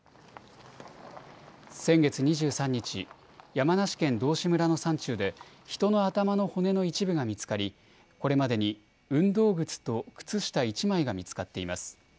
先月２３日、山梨県道志村の山中で、人の頭の骨の一部が見つかり、これまでに運動靴と靴下１枚が見つかっています。